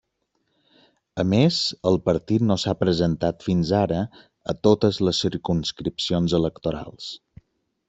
A més, el partit no s'ha presentat fins ara a totes les circumscripcions electorals.